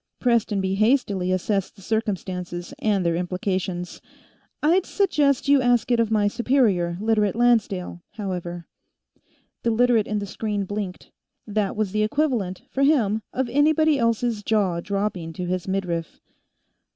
Prestonby hastily assessed the circumstances and their implications. "I'd suggest that you ask it of my superior, Literate Lancedale, however." The Literate in the screen blinked; that was the equivalent, for him, of anybody else's jaw dropping to his midriff.